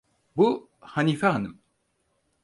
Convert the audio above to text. Bu, Hanife hanım.